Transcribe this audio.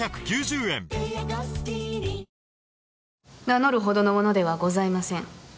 名乗るほどのものではございません。